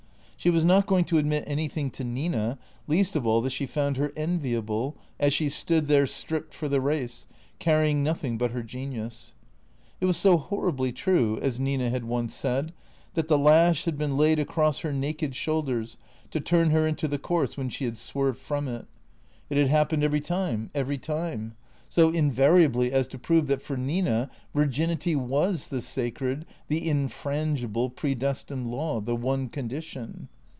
She was not going to admit anything to Nina, least of all that she found her enviable, as she stood there, stripped for the race, carrying noth ing but her genius. It was so horribly true (as Nina had once said) that the lash had been laid across her naked shoulders to turn her into the course when she had swerved from it. It had THE GEE A TOES 377 happened every time, every time; so invariably as to prove that for Nina virginity was the sacred, the infrangible, predestined law, the one condition.